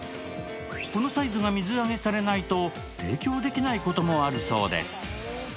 このサイズが水揚げされないと提供できないこともあるそうです。